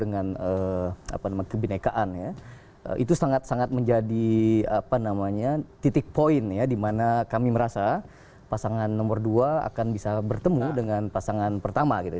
dan karena mereka pro dengan kebenekaan ya itu sangat sangat menjadi titik poin ya dimana kami merasa pasangan nomor dua akan bisa bertemu dengan pasangan pertama gitu